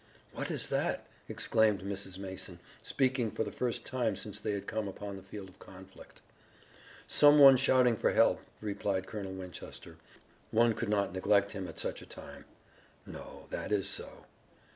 "What is that?" exclaimed Mrs. Mason, speaking for the first time since they had come upon the field of conflict. "Some one shouting for help," replied Colonel Winchester. "One could not neglect him at such a time." "No, that is so."